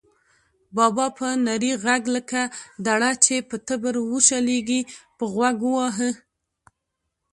بابا په نري غږ لکه دړه چې په تبر وشلېږي، په غوږ وواهه.